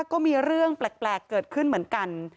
ก็มีเรื่องแปลกเกิดขึ้นเหมือนกัน